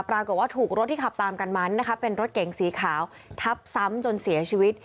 ปรากฏว่าถูกรถที่ขับตามกันมานะคะเป็นรถเก๋งสีขาวทับซ้ำจนเสียชีวิต